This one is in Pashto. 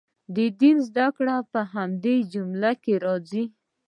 دیني زده کړې په همدې جمله کې راځي.